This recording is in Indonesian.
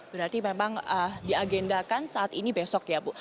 berarti memang diagendakan saat ini besok ya bu